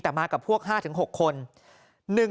แต่มากับพวก๕๖คน